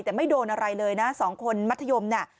แต่ไม่โดนอะไรเลยนะ๒คนมัธยม